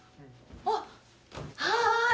あっはい！